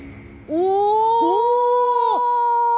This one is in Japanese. お！